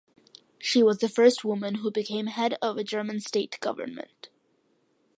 She was the first woman, who became head of a german state government.